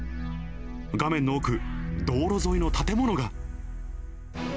画面の奥、道路沿いの建物が。